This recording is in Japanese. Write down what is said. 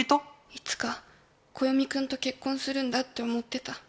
いつか暦君と結婚するんだって思ってた。